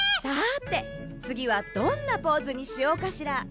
さてつぎはどんなポーズにしようかしら。